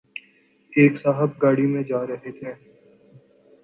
ایک صاحب گاڑی میں جارہے تھے